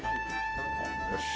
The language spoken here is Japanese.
よし。